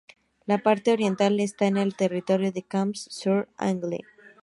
La parte oriental está en el territorio de Camps-sur-l'Agly.